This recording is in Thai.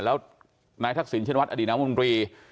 แล้วนายทักศิลป์เช่นวัดอดีตน้ำมงตรี